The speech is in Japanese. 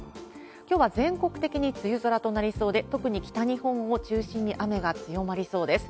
きょうは全国的に梅雨空となりそうで、特に北日本を中心に雨が強まりそうです。